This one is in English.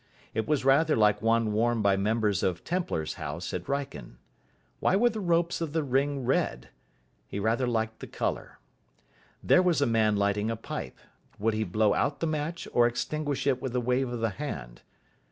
It was rather like one worn by members of Templar's house at Wrykyn. Why were the ropes of the ring red? He rather liked the colour. There was a man lighting a pipe. Would he blow out the match or extinguish it with a wave of the hand?